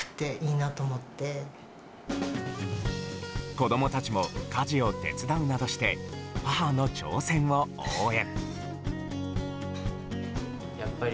子供たちも家事を手伝うなどして母の挑戦を応援。